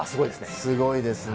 すごいですね。